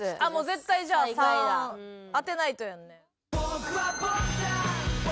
絶対じゃあ３当てないとやんね。